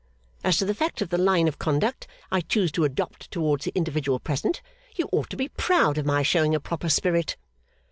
As to the fact of the line of conduct I choose to adopt towards the individual present, you ought to be proud of my showing a proper spirit.